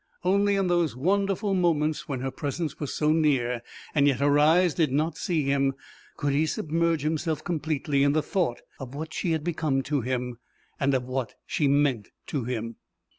Only in those wonderful moments, when her presence was so near, and yet her eyes did not see him, could he submerge himself completely in the thought of what she had become to him and of what she meant to him.